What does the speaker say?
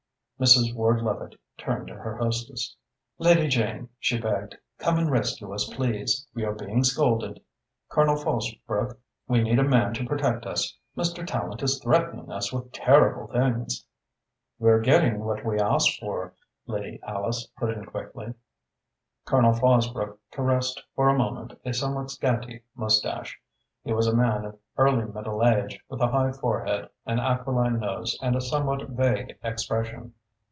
Mrs. Ward Levitte turned to her hostess. "Lady Jane," she begged, "come and rescue us, please. We are being scolded. Colonel Fosbrook, we need a man to protect us. Mr. Tallente is threatening us with terrible things." "We're getting what we asked for," Lady Alice put in quickly. Colonel Fosbrook caressed for a moment a somewhat scanty moustache. He was a man of early middle age, with a high forehead, an aquiline nose and a somewhat vague expression.